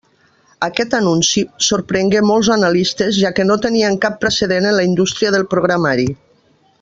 Aquest anunci sorprengué molts analistes, ja que no tenia cap precedent en la indústria del programari.